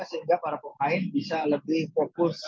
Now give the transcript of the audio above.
sehingga para pemain bisa lebih fokus